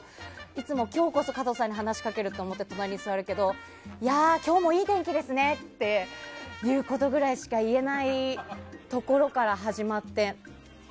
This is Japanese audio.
いつも今日こそ加藤さんに話しかけようと隣に座っていたんですがいやー、今日もいい天気ですねっていうことぐらいしか言えないところから始まって。